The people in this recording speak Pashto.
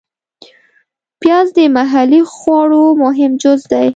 پیاز د محلي خواړو مهم جز دی